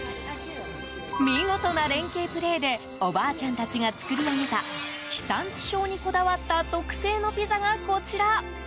見事な連係プレーでおばあちゃんたちが作り上げた地産地消にこだわった特製のピザが、こちら。